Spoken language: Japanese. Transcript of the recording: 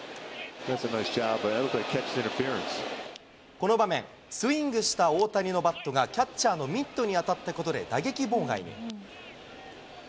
この場面、スイングした大谷のバットがキャッチャーのミットに当たったことで打撃妨害に。